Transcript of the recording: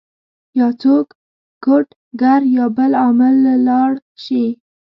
يا څوک کوډ ګر يا بل عامل له لاړ شي